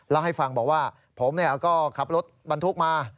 แล้วให้ฟังบอกว่าผมก็ขับรถบรรทุกมา